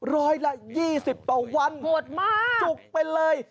ร้อยละ๒๐ต่อวันจุกไปเลยโหดมาก